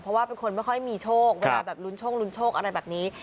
เพราะว่าเป็นคนไม่มีชคลุ้นช่วงอะไรแบบนี้